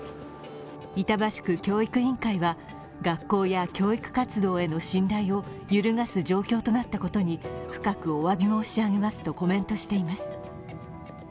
板橋区教育委員会は学校や教育活動への信頼を揺るがす状況となったことに深くおおわび申し上げますとコメントしています。